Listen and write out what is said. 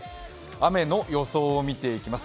雨の予想を見ていきます。